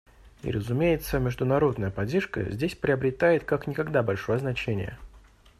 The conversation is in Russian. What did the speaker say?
И, разумеется, международная поддержка здесь приобретает как никогда большое значение.